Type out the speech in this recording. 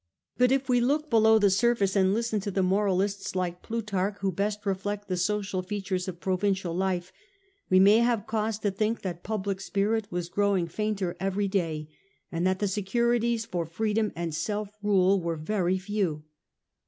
But if we look below the surface, and listen to moralists like Plutarch, who best reflect the social features of provincial life, we may have cause to think that public spirit was growing fainter every day, and that the securities for freedom and self rule were very few.